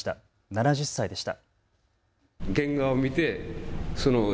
７０歳でした。